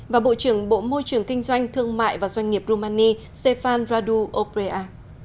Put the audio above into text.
và bộ trưởng bộ môi trường kinh doanh thương mại và doanh nghiệp rumania stefan radu obrea